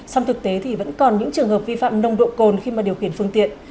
xong thực tế thì vẫn còn những trường hợp vi phạm nồng độ cồn khi mà điều khiển phương tiện